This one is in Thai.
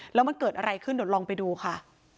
แล้วมันเกิดอะไรขึ้นเดี๋ยวลองไปดูค่ะ